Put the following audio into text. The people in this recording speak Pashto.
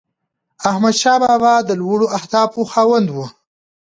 احمدشاه بابا د لوړو اهدافو خاوند و.